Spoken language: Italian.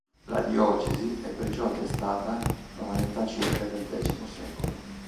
La diocesi è perciò attestata dalla metà circa del X secolo.